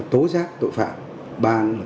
tối giác tội phạm ba là